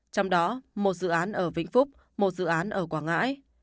trong đó một dự án ở vĩnh phúc một dự án ở quảng ngãi